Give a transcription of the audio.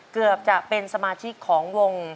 เกือบจะเป็นสมาชิกของวง